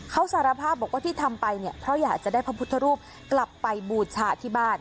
เขาสารภาพบอกว่าที่ทำไปเนี่ยเพราะอยากจะได้พระพุทธรูปกลับไปบูชาที่บ้าน